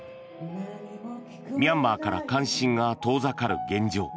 ミャンマーから関心が遠ざかる現状。